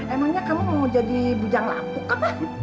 emangnya kamu mau jadi bujang lampu ke pak